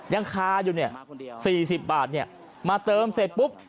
ยังคาอยู่เนี่ย๔๐บาทมาเติมเสร็จปุ๊บ